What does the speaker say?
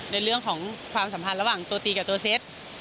ในเรื่องของความสัมพันธ์ระหว่างตัวตีกับตัวเซ็ต